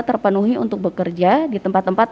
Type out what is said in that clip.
terpenuhi untuk bekerja di tempat tempat